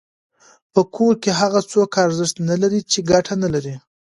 په کور کي هغه څوک ارزښت نلري چي ګټه نلري.